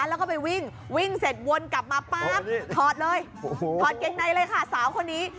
แล้วก็ไปวิ่งวิ่งเสร็จวนกลับมาป๊าบถอดเลยถอดเกงในเลยค่ะสาวคนนี้